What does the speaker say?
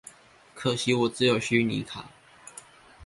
可惜我只有虛擬卡